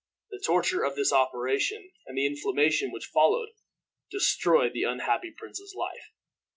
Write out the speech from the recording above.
The torture of this operation, and the inflammation which followed, destroyed the unhappy prince's life.